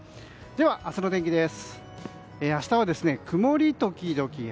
では、明日の天気です。